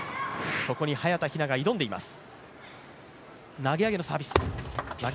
そこに早田ひなが挑んでいます。